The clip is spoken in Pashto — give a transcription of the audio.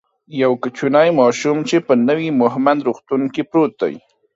یو کوچنی ماشوم چی په نوی مهمند روغتون کی پروت دی